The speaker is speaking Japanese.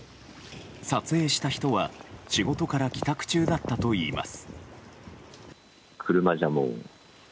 撮影した人は仕事から帰宅中だったといいます。